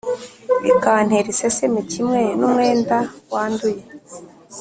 ikantera iseseme kimwe n’umwenda wanduye,